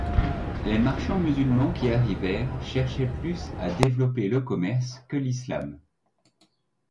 Les marchands musulmans qui arrivèrent cherchaient plus à développer le commerce que l'islam.